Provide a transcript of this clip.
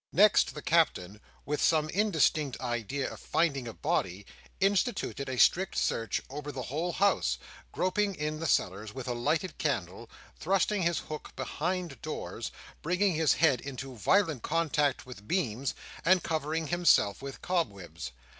Next, the Captain, with some indistinct idea of finding a body, instituted a strict search over the whole house; groping in the cellars with a lighted candle, thrusting his hook behind doors, bringing his head into violent contact with beams, and covering himself with cobwebs.